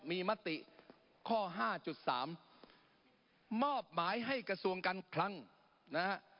มีมติข้อห้าจุดสามมอบหมายให้กระทรวงการคลังนะฮะ